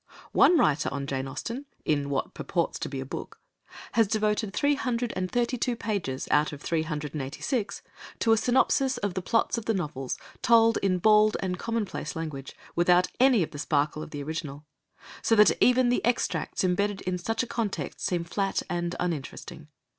One writer on Jane Austen, in what purports to be a book, has devoted three hundred and thirty two pages out of three hundred and eighty six to a synopsis of the plots of the novels, told in bald and commonplace language, without any of the sparkle of the original, so that even the extracts embedded in such a context seem flat and uninteresting.